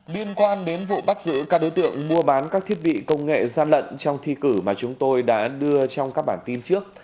liên quan đến vụ bắt giữ các đối tượng mua bán các thiết bị công nghệ gian lận trong thi cử mà chúng tôi đã đưa trong các bản tin trước